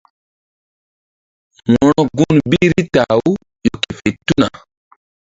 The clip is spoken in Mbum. Wo̧ro gun bi Rita-aw ƴo ke fe tuna.